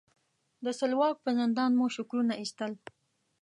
د سلواک په زندان مو شکرونه ایستل.